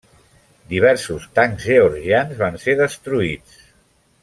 Diversos tancs georgians van ser destruïts.